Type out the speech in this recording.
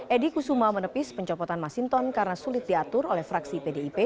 edi kusuma menepis pencopotan masinton karena sulit diatur oleh fraksi pdip